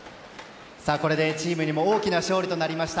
これでチームにも大きな勝利となりました。